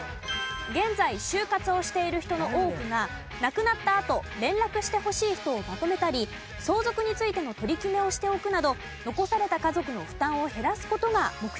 現在終活をしている人の多くが亡くなったあと連絡してほしい人をまとめたり相続についての取り決めをしておくなど残された家族の負担を減らす事が目的なんだそうです。